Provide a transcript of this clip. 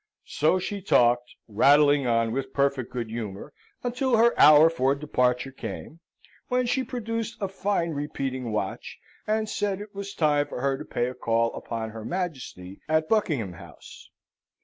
So she talked, rattling on with perfect good humour, until her hour for departure came; when she produced a fine repeating watch, and said it was time for her to pay a call upon her Majesty at Buckingham House.